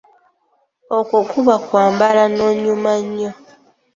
Okwo kuba okwambala n'onyuma nnyo.